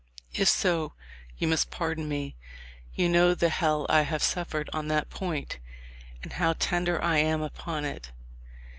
If so you must pardon me. You know the hell I have suf fered on that point, and how tender I am upon it.